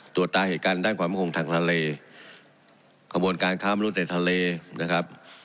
ตรวจตาเหตุการณ์ด้านความมั่นคงทางทะเลขบวนการค้ามนุษย์ในทะเลนะครับ